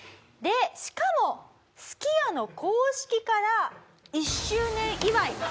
でしかもすき家の公式から１周年祝い。